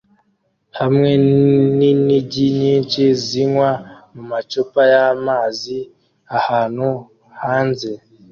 hamwe ninigi nyinshi zinywa mumacupa yamazi ahantu hanze